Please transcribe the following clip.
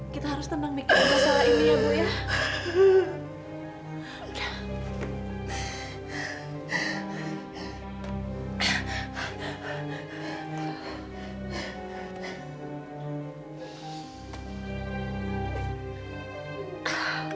kita harus tenang mikir masalah ini ya bu ya